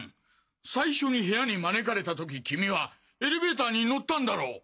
最初に部屋に招かれた時君はエレベーターに乗ったんだろ？